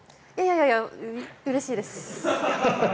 いやいや、うれしいです。